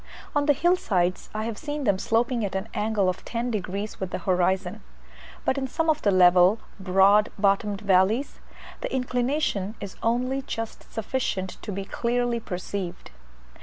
On the hill sides I have seen them sloping at an angle of ten degrees with the horizon; but in some of the level, broad bottomed valleys, the inclination is only just sufficient to be clearly perceived.